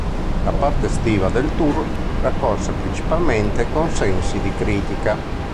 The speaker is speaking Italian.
La parte estiva del tour raccolse principalmente consensi di critica.